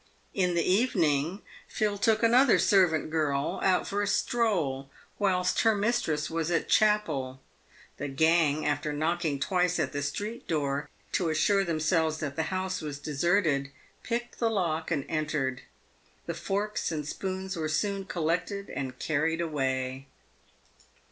In the evening, Phil took another servant girl out for a stroll, whilst her mistress was at chapel. The gang, after knocking twice at the street door to assure themselves that the house was deserted, picked the lock and entered. The forks and spoons were soon col lected and carried away.